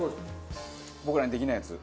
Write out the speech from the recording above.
僕らにできないやつ。